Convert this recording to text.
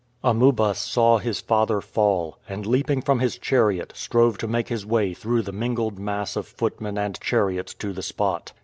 Amuba saw his father fall, and leaping from his chariot, strove to make his way through the mingled mass of footmen and chariots to the spot.